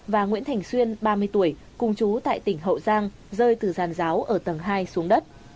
và nguyễn thành xuyên ba mươi tuổi cùng chú tại tỉnh hậu giang rơi từ giàn giáo ở tầng hai xuống đất